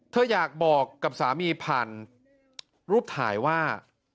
เธออยากบอกกับสามีผ่านรูปถ่ายว่า